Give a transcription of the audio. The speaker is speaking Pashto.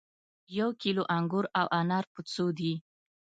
یو کیلو انګور او انار په څو دي